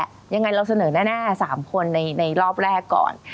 ยังไงเราเสนอแน่๓คนในรอบแรกก่อน